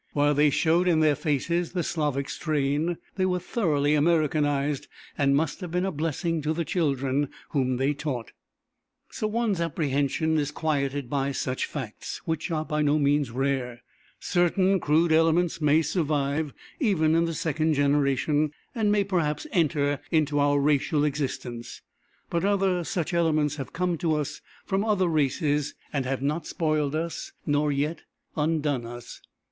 While they showed in their faces the Slavic strain, they were thoroughly Americanized and must have been a blessing to the children whom they taught. So one's apprehension is quieted by such facts, which are by no means rare. Certain crude elements may survive, even in the second generation, and may perhaps enter into our racial existence, but other such elements have come to us from other races, and have not spoiled us nor yet undone us.